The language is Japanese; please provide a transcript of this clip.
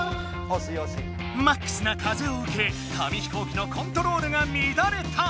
ＭＡＸな風をうけ紙飛行機のコントロールがみだれた！